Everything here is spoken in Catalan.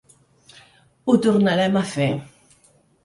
Ho tornarem a fer.